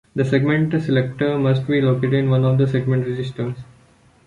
The segment selector must be located in one of the segment registers.